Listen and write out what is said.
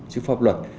trước pháp luật